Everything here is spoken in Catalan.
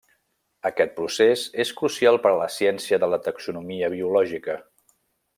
Aquest procés és crucial per a la ciència de la taxonomia biològica.